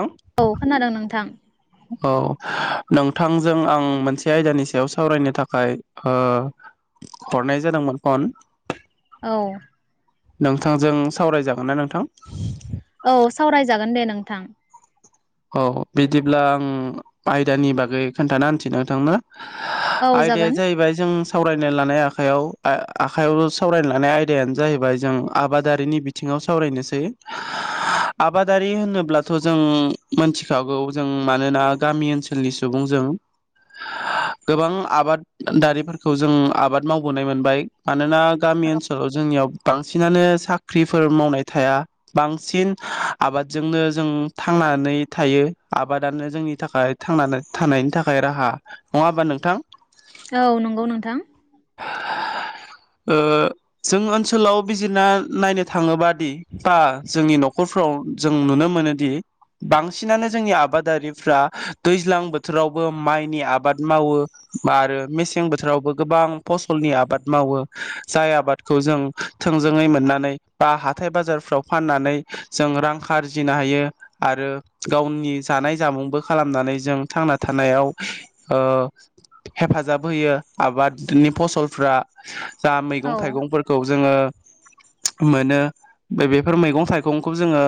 ओं औ खोनादों नोंथां औ नोंथांजों आं मोनसे आयदानि सायाव सावरायनो थाखाय ओ हरनाय जादोंमोन फन औ नोंथांजों सावरायजागोन ना नोंथां औ सावरायजागोन दे नोंथां औ बिदिब्ला आं आयदानि बागै खोन्थाना होनोसै नोंथांनो औ आयदाया जागोन जाहैबाय जों सावरायनो लानाय आखायाव आखायाव सावरायनो लानाय आयदायानो जाहैबाय जों आबादारिनि बिथिङाव सावरायनोसै आबादारि होनोब्लाथ' जों मोनथिखागौ जों मानोना गामि ओनसोलनि सुबुंजों गोबां आबादारिफोरखौ जों आबाद मावबोनाय मोनबाय मानोना गामि ओनसोलाव जोंनियाव बांसिनानो साख्रिफोर मावनाय थाया। बांसिन आबादजोंनो जों थांनानै थायो, आबादानो जोंनि थाखाय थांनानै थानायनि थाखाय राहा नङा होमबा नोंथां? औ नंगौ नोंथां। जों ओनसोलाव बिजिरना नायनो थाङोब दि बा जोंनि न'खरफ्राव जों नुनो मोनोदि बांसिनानो जोंनि आबादारिफ्रा, दैज्लां बोथोरावबो माइनि आबाद मावो, आरो मेसें बोथोरावबो गोबां फसलनि आबाद मावो, जाय आबादखौ जों थोंजोङै मोननानै बा हाथाय बाजारफ्राव फाननानै जों रां आरजिनो हायो। आरो गावनि जानाय जामुंबो खालामनानै जों थांना थानायाव हेफाजाब होयो आबादनि फसलफ्रा। जा औ मैगं थाइगंफोरखौ जोङो मोनो बे बेफोर मैगं थाइगंखौ जोङो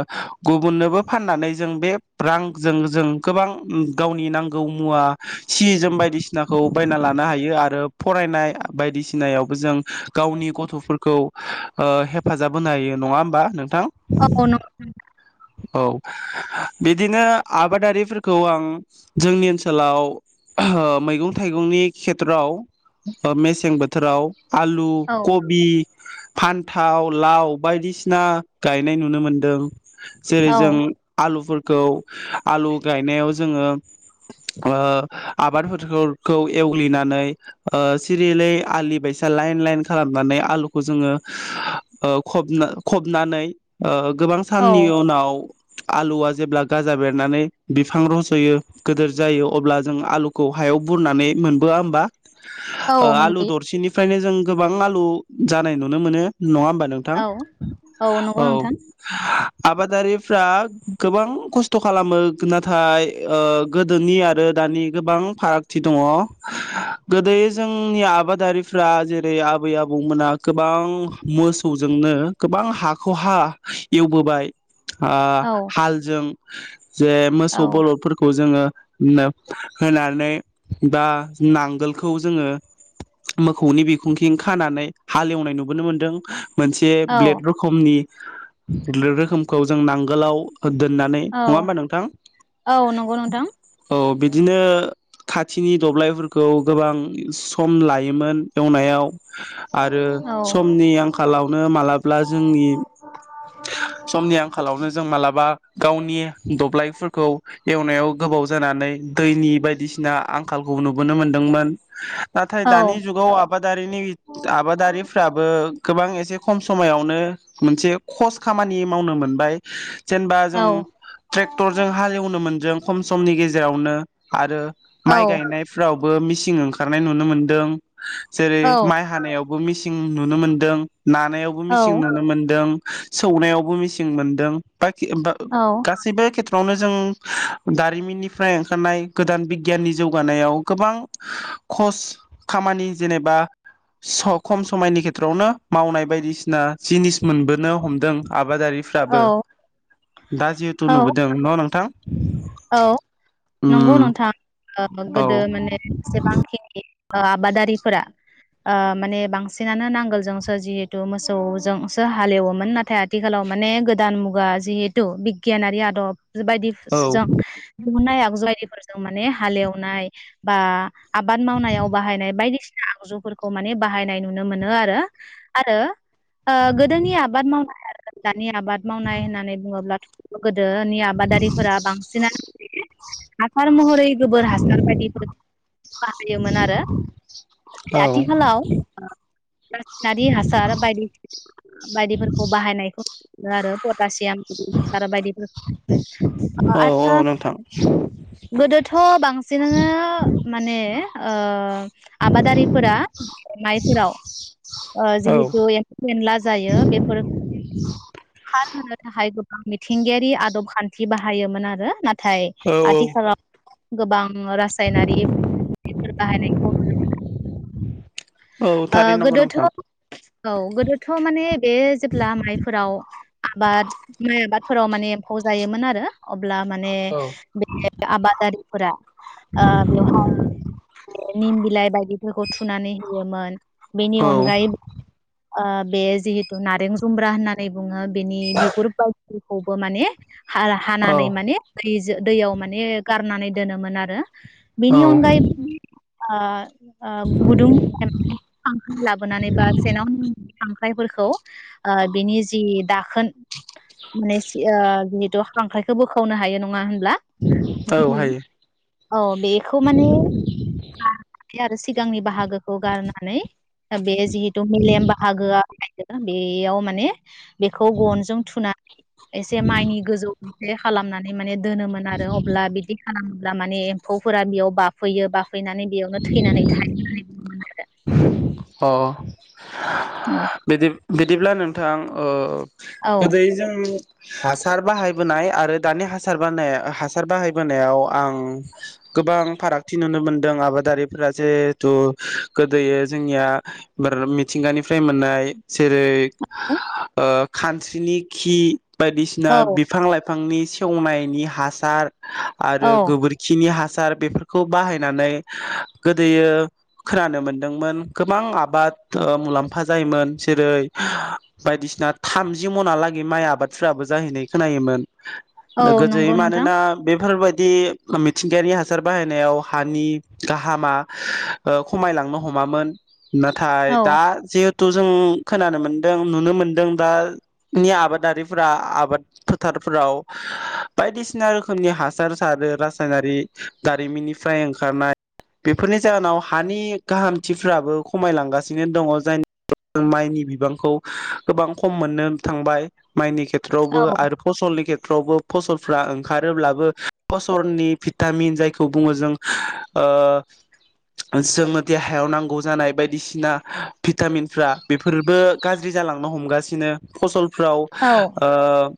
गुबुननोबो फाननानै जों बे रांजों जों गोबां गावनि नांगौ मुवा, सि जोम बायदिसिनाखौ बायना लानो हायो आरो फरायनाय बायदिसिनायावबो जों गावनि गथ'फोरखौ हेफाजाब होनो हायो नङा होनबा? [unintelligible] औ बिदिनो आबादारिफोरखौ आं, जोंनि ओनसोलाव मैगं थाइगंनि खेथ्रआव मेसें बोथोराव आलु औ कबि। फान्थाव, लाव बायदिसिना गायनाय नुनो मोनदों। जेरै औ जों आलु [unintelligible] आलु गायनायाव जोङो आबादफोरखौ एवग्लिनानै सिरिलै आलि बायसा लाइन लाइन खालामनानै आलुखौ जोङो खब ओ फबनानै औ साननि उनाव आलुआ जेब्ला गाजा बेरनानै बिफां रज'यो गोदोर जायो अब्ला जों आलुखौ हायाव बुरनानै मोनबोआ होमबा? औ आलु मोनबोयो दरसिनि फ्रायनो जों गोबां आलु जानाय नुनो मोनो। नङा होमबा नोंथां? औ नंगौ औ। नोंथां आबादा रिफ्रा गोबां खस्थ' खालामो नाथाय गोदोनि आरो दानि गोबां फारागथि दङ। गोदोयै जोंनि आबादारिफ्रा जेरै आबै आबौमोना गोबां मोसौजोंनो गोबां हाख' हा एवबोबाय औ हालजों [unintelligible] जे औ मोसौ बरलदफोरखौ जोङो होनानै बा नांगोलखौ जोङो मोखौनि बिखुंथिं खानानै हालेवनाय नुबोनो मोनदों। मोनसे औ ब्लेड रोखमनि [unintelligible] रोखोमखौ जों नांगोलाव दोननानै औ नङा होमबा नोंथां? औ नंगौ नोंथां औ बिद बिदिनो खाथिनि दब्लायफोरखौ गोबां सम लायोमोन एवनायाव। आरो औ समनि आंखालावनो मालाब्ला जोंनि समनि आंखालावनो जों [inaudible] मालाबा गावनि दब्लायफोरखौ एवनायाव गोबाव जानानै दैनि बायदिसिना आंखालखौ नुबोनो मोनदोंमोन। नाथाय औ दानि जुगाव आबादारिनि आबादारिफ्राबो गोबां एसे खम समायावनो मोनसे खस खामानि मावनो मोनबाय। जेनेबा जों ट्रेक्टरजों हालेवनो मोनदों। खम समनि गेजेरावनो आरो औ माइ गायनायफ्राव बो मिसिं ओंखारनाय नुनो मोन्दों। जेरै औ माइ हानायाव बो मिसिं नुनो मोन्दों। नानायावबो मिसिं नुनो मोन्दों। सौनायावबो मिसिं मोनदों। बाखि औ गासैबो थ्र'आवनो जों दारिमिननिफ्राय ओंखारनाय गोदान बिगियाननि जौगानायाव गोबां ख'स खामानि जेनेबा खम समायनि खेथ्र'आवनो मावनाय बायदिसिना जिनिस मोनबोनो हमदों आब। औ आबादारिफ्राबो दा जिहेथु नुबोदों न' नोंथां। औ नंगौ उम नोंथां ओ औ गोदो माने जेसेबांखिनि आबादारिफोरा आ माने बांसिनानो नांगोलजोंसो जिहेटु मोसौजोंसो हालेवोमोन नाथाय आथिखालाव माने गोदान मुगा जिहेटु बिगियानारि आदब बायदि औ फोसजों दिहुननाय आगजुवारिफोरजों माने हालेवनाय बा। आबाद मावनायाव बाहायनाय बायदिसिना। आगजुफोरखौ माने बाहायनाय नुनो मोनो आरो आरो। ओ गोदोनि आबाद मावनाय आरो। नि आबाद मावनाय होननानै बुङोब्लाथ। [unintelligible] गोदोनि आबादारिफोरा बांसि। [inaudible] हासार महरै गोबोर हासार बायदिफोर बाहायोमोन आरो औ आथिखालाव ओ रासिनारि हासार बायदि बायदिफोरखौ बाहायनायखौ नो आरो पटासियाम आरो बायदि औ। औ ओ नोंथां गोदोथ' बांसिनानो। माने ओ। आबादारिफोरा। माइफोराव ओ औ जिहेतु एमफौ एनला जायो बेफोर [inaudible] खार। होनो थाखाय गोबां मिथिंगायारि आदब खान्थि बाहायोमोन आरो थाय औ औ आथिखालाव गोबां रासायनारि मुलैफोर बाहायनाय [unintelligible] औ ओ थारैनो नंगौ गोदोथ' नोंथां औ गोदोथ' माने बे जेब्ला माइफोराव आबाद माइ आबाद फोराव माने एम्फौ जायोमोन आरो अब ब्ला माने औ बे आबादारिफोरा ओ बेवहाय बे निम बिलाइ बायदिफोरखौ थुनानै होयोमोन बेनि औ अनगायैब ओ बे जिहेतु नारें जुम्ब्रा होननानै बुङो बेनि बिगुर [unintelligible] खौबो माने औ हा-हानानै माने फ्रिस दैयाव माने गारनानै दोनोमोन आरो। बिनि औ अनगायैब आ-आ गुदुं खांख्राइ लाबोनानै बा सेनाव नांनाय खांख्रायफोरखौ बिनि जि दाखोन माने सि ओ बि [unintelligible] द खांख्रायखो बोखावनो हायो नङा होन ब्ला औ हायो औ बेखौ माने फ्राय आरो सिगांनि बाहागो खौ गारनानै ओ बेज जिहेतु मेलेम बाहागोआ [unintelligible] बेयाव माने बेखौ गनजों थुनानै एसे माइनि गोजौथिंजे खालामनानै नै माने दोनोमोन आरो अब्ला बिदि खालाम ब्ला माने एम्फौफोरा बेयाव बाफैयो बा फैनानै बेयावनो थैनानै थायोमाने। [unintelligible] अ। आरो बिदिब बिदिब्ला नोंथां ओ औ गोदैजों हासार बाहायबोनाय आरो दानि हासार बानाय हासार बाहायबोनायाव आं गोबां फारागथि नुनो मोनदों आबादारिफोरा जिहेथु गोदोयो जोंनिया मोर मिथिंगानिफ्राय मोननाय जेरै ओ खान्स्रिनि खि बायदिसिना औ बिफां लाइफां फांनि सेवनायनि हासार औ आरो गोबोरखिनि हा सार बेफोरखौ बाहायनानै गोदोयो खोनानो मोन्दोंमोन गोबां आबाद ओ मुलाम्फा जायोमोन जेरै बायदिसिना थामजि मनालागै माइ आबादफोराबो जाहैनाय खोनायोमोन। दा औ गोदोयै नंगौ नोंथां मानोना बेफोरबाय बिदि मिथिंगायारि हासार बाहायनायाव हानि गाहामा खमायलांनो हमामोन नाथाय औ दा जिहे थु जों खोनानो मोनदों नुनो मोनदों दानि आबादारिफोरा आबाद फोथारफोराव बायदिसिना रोखोमनि हासार सारो रासायनारि दारिमिननिफ्राय ओंखारनाय बेफोरनि जाहोनाव हानि गाहामथिफोराबो खमायलांगासिनो दं जाय माइनि बिबांखौ गोबां खम मोननो थांबाय माइनि खेथ्रआवबो औ आरो फसलनि खे फ्रावबो फसलफ्रा ओंखारोब्लाबो फसलनि भिटामिन जायखौ बुङो जों ओ जोंनो देहायाव नांगौ जानाय बायदिसिना भिटामिनफ्रा बेफोरबो गाज्रि जालांनो हमगासिनो फसल फ्राव औ ओ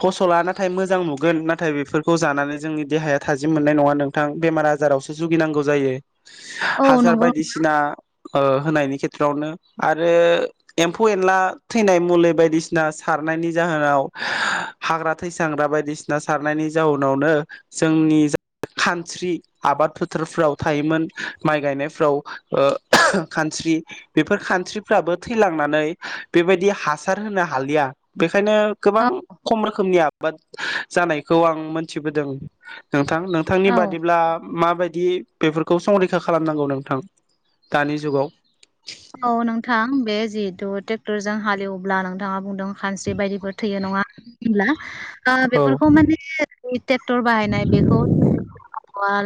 फसला नाथाय मोजां नुगोन नाथाय बेफोरखौ जानानै जोंनि देहाया थाजिम मोननाय नङा नोंथां बेमार आजारावसो जुगिनांगौ जायो। औ हासार नंगौ बायदिसिना होनायनि खेथ्रआवनो आरो एम्फौ एनला थैनाय मुलि बायदिसिना सारनायनि जाहोनाव हाग्रा थैसांग्रा बायदिसिना सारनायनि जाहोनावनो जोंनि जा खानस्रि आबाद फोथारफ्राव थायोमोन माइ गायनायफ्राव ओ खानस्रि बेफोर खान्स्रिफ्राबो थैलांनानै बेबायदि हासार होनो हालिया बे ओंखायनो गोबां औ खम रोखोमनि आब बाद जानायखौ आं मोनथिबोदों नोंथां नोंथांनि औ बादिब्ला मा बायदि बेफोरखौ संरैखा खालामनांगौ नोंथां? दानि जुगाव औ नोंथां बे जिहेतु ट्रेक्टर जों हालेवोब्ला नोंथाङा बुंदों खानस्रि बायदिफोर थैयो नङा होमब्ला औ बेफोरखौ माने ट्रेक्टर बाहायनाय बेखौ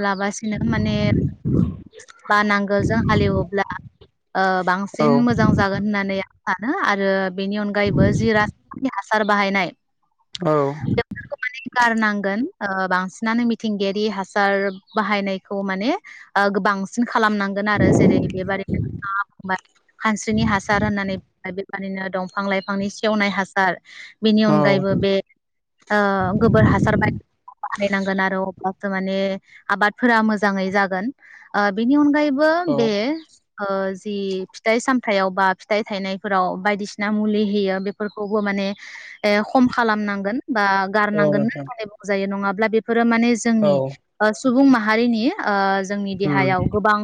लाबासिनो माने बा नांगोलजों हालेवोब्ला ओ औ बांसिन मोजां जागोन होननानै सानो आरो बेनि अनगायैबो जि राज [unintelligible] हासार बाहायनाय औ बेखौ गारनांगोन ओ बांसिनानो मिथिंगायारि हासार बाहायनायखौ माने ओ बांसिन खालामनांगोन आरो जेरै बेबादिनो मा [unintelligible] खानस्रिनि हासार होननानै [unintelligible] बिदिनो दंफां लाइफांनि सेवनाय हासार बिनि औ अनगायैबो बे ओ गोबोर हासार बायदि बाहायनांगोन आरो [unintelligible] माने आबादफोरा मोजाङै जागोन ओ बेनि अनगायै बो औ बे ओ जि फिथाइ सामथाइयाव बा फिथाइ थायनायफोराव बायदिसिना मुलि होयो बेफोरखौबो माने ओ खम खालामनांगोन बा औ गारनांगोन नोंथां होननानै बुंजायो नङा ब्ला बे फोरो माने औ जोंनि ओ सुबुं माहारिनि ओ जोंनि उम देहायाव गोबां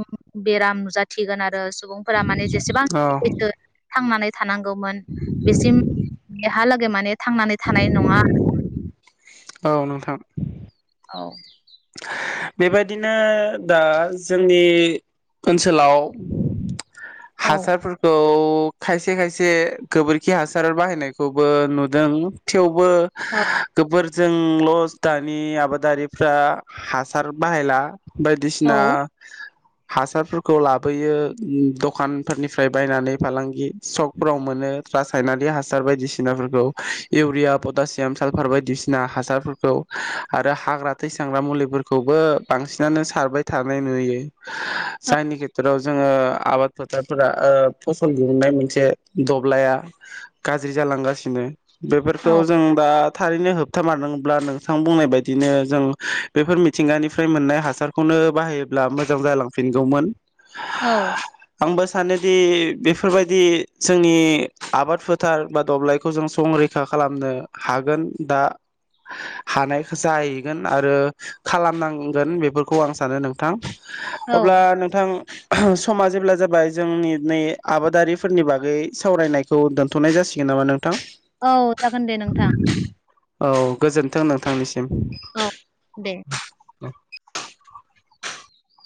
बेराम नुजा थिगोन आरो सुबुंफोरा माने जेसेबां औ [unintelligible] थांनानै थानांगौमोन बेसिम हाला गै माने थांनानै थानाय नङा। औ नोंथां। औ। बेबायदिनो दा जोंनि ओनसोलाव औ हासारफोरखौ खायसे खायसे गोबोरखि हासार बाहायनायखौबो नुदों थेव बो औ गोबोर जोंल' दानि आबादारिफ्रा हासार बाहायला औ बायदिसिना हासारफोरखौ लाबोयो दखानफोरनिफ्राय बायनानै फालांगि सकफोराव मोनो रासायनारि हासार बायदिसिनाफोरखौ इउरिया, पटासियाम, सालफार बायदिसिना हासारफोरखौ आरो हाग्रा थैसां ग्रा मुलिफोरखौबो बांसिनानो सारबाय थानाय नुयो । जायनि खेत्रआव जोङो आबाद फोथारफोरा ओ फसल दिहुननाय मोनसे दब्लाया गाज्रि जालांगासिनो। बेफोरखौ औ जों दा थारैनो होबथामारनांब्ला नोंथां बुंनाय बायदिनो जों। बेफोर मिथिंगानिफ्राय मोननाय हासारखौनो बाहायोब्ला मोजां जालांफिनगौमोन औ। आंबो सानोदि बेफोरबायदि जोंनि आबाद फोथार बा दब्लायखौ जों संरैखा खालामनो हागोन दा हानाय जाहैगोन। आरो खालामनांगोन बेफोरखौ आं सानो नोंथां। औ अब्ला नोंथां। समा जेब्ला जाबाय जोंनि नै आबादारिफोरनि बागै सावरायनायखौ दोनथनाय जासिगोन नामा नों- थां औ जागोन दे नोंथां औ गोजोनथों नोंथांनिसि [inaudible] औ दे। [unintelligible]